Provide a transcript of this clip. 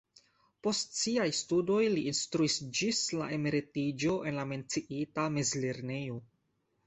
Post siaj studoj li instruis ĝis la emeritiĝo en la menciita mezlernejo.